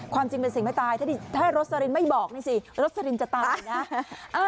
จริงเป็นสิ่งไม่ตายถ้าโรสลินไม่บอกนี่สิโรสลินจะตายนะ